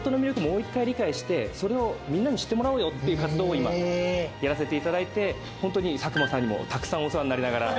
もう１回理解してそれをみんなに知ってもらおうよっていう活動を今やらせていただいてホントに佐久間さんにもたくさんお世話になりながら。